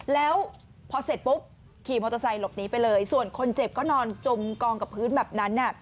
แล้วพอเสร็จปุ๊บขี่มอเตอร์ไซค์หลบหนีไปเลยส่วนคนเจ็บก็นอนจมกองกับพื้นแบบนั้น